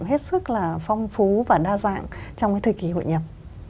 hết sức là phong phú và đa dạng trong cái thời kỳ hội nhập